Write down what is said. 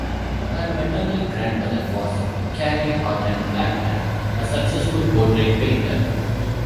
Her maternal grandmother was Carrie Horton Blackman, a successful portrait painter.